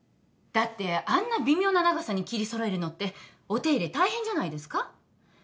だってあんな微妙な長さに切りそろえるのってお手入れ大変じゃないですか？